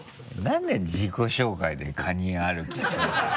なんで自己紹介でカニ歩きするの？